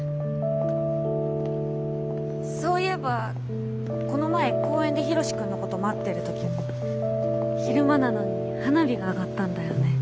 そういえばこの前公園でヒロシ君のこと待ってる時も昼間なのに花火が上がったんだよね。